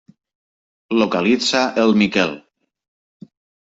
Localitza el Miquel.